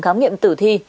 khám nghiệm tử thi